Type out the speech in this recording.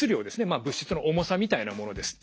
まあ物質の重さみたいなものです。